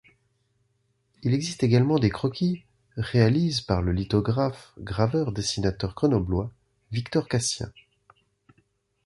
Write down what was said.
Il existe également des croquis réalise par le lithographe, graveur, dessinateur grenoblois Victor Cassien.